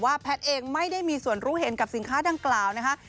แพทย์เองไม่ได้มีส่วนรู้เห็นกับสินค้าดังกล่าวนะคะ